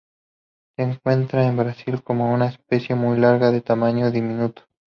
Se encuentra en Brasil como una especie muy rara, de tamaño diminuto.